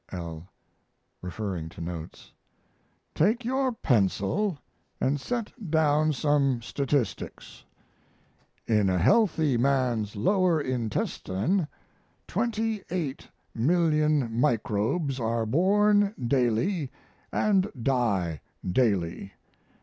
L. (Referring to notes.) Take your pencil and set down some statistics. In a healthy man's lower intestine 28,000,000 microbes are born daily and die daily.